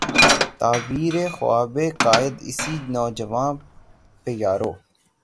تعبیر ء خواب ء قائد، اسی نوجواں پہ یارو